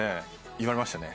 言われましたね。